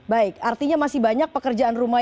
baik artinya masih banyak pekerjaan rumah